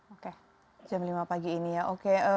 oke jam lima pagi ini ya oke